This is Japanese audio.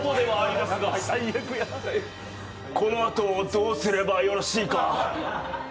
このあとをどうすればよろしいか。